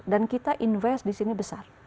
dan kita invest di sini besar